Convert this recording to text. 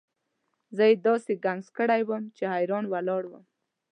زه یې داسې ګنګس کړی وم چې حیران ولاړ وم.